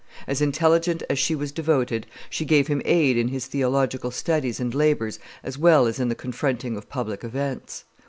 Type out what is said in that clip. As intelligent as she was devoted, she gave him aid in his theological studies and labors as well as in the confronting of public events.